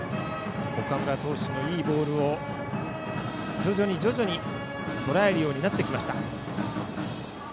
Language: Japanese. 岡村投手のいいボールを徐々に徐々にとらえるようになってきました。